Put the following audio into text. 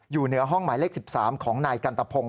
อยู่เหนือห้องหมายเลข๑๓ของนายกันตะพงศ